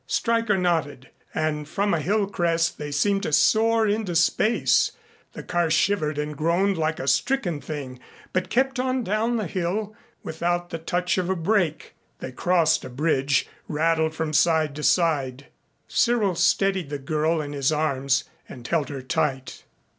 Stryker nodded and from a hill crest they seemed to soar into space. The car shivered and groaned like a stricken thing, but kept on down the hill without the touch of a brake. They crossed a bridge, rattled from side to side. Cyril steadied the girl in his arms and held her tight.